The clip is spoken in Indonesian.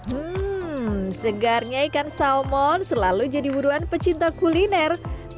hmm segarnya ikan salmon selalu jadi buruan pecinta kuliner